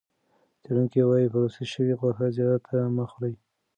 څېړونکي وايي پروسس شوې غوښه زیاته مه خورئ.